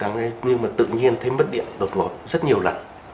nhưng mà tự nhiên thấy mất điện đột ngột rất nhiều lần